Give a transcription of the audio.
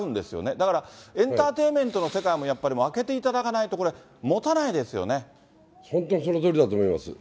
だから、エンターテインメントの世界もやっぱり開けていただかないともた本当にそのとおりだと思います。